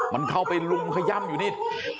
มันเข้าไปลุมขย่ำอยู่นี่